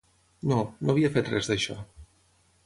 No, no havia fet res d'això.